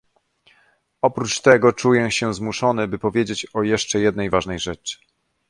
Oprócz tego czuję się zmuszony, by powiedzieć o jeszcze jednej ważnej rzeczy